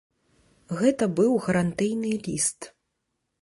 Гэта быў гарантыйны ліст.